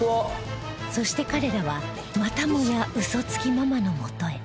そして彼らはまたもや嘘つきママのもとへ